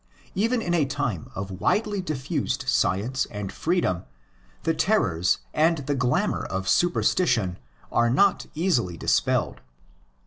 Even in a time of widely diffused science and freedom the terrors and the glamour of superstition are not easily dispelled.